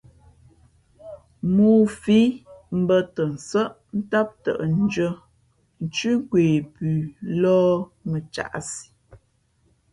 Mōō fǐ mbᾱtαnsάʼ ntám tαʼ ndʉ̄ᾱ nthʉ́ nkwe pʉ lōh mα caʼsi.